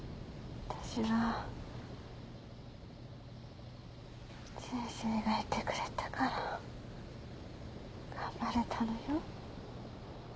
わたしは先生がいてくれたから頑張れたのよ。